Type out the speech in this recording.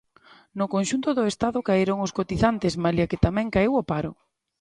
No conxunto do Estado, caeron os cotizantes malia que tamén caeu o paro.